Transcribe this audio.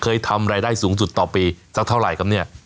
ทำรายได้สูงสุดต่อปีสักเท่าไหร่ครับเนี่ย